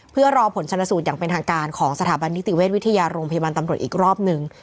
เพื่อรอผลชนสูตรอย่างเป็นทางการของสถาบันนิติเวชวิทยาโรงพยาบาลตำรวจอีกรอบหนึ่ง